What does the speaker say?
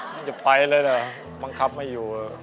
มันจะไปเลยนะมันขับไม่อยู่